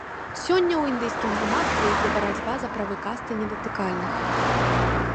Сёння ў індыйскім грамадстве ідзе барацьба за правы касты недатыкальных.